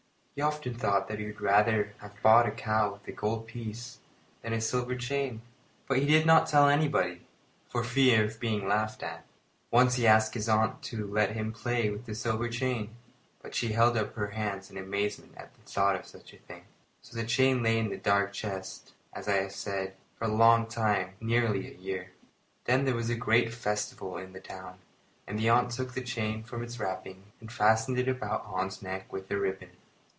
He often thought that he would rather have bought a cow with the gold piece than a silver chain; but he did not tell anybody, for fear of being laughed at. Once he asked his aunt to let him play with the silver chain; but she held up her hands in amazement at the thought of such a thing. So the chain lay in the dark chest, as I have said, for a long time nearly a year. Then there was a great festival in the town, and the aunt took the chain from its wrappings and fastened it about Hans's neck with a ribbon.